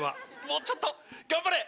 もうちょっと頑張れ！